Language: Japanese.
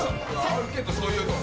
あるけどそういうの。